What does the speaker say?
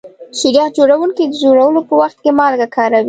شیریخ جوړونکي د جوړولو په وخت کې مالګه کاروي.